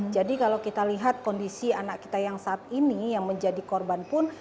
jadi kalau kita lihat kondisi anak kita yang saat ini yang menjadi korban pun